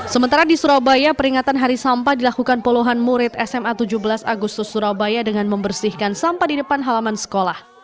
sementara di surabaya peringatan hari sampah dilakukan puluhan murid sma tujuh belas agustus surabaya dengan membersihkan sampah di depan halaman sekolah